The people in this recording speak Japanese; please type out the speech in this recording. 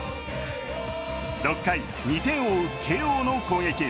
６回、２点を追う慶応の攻撃。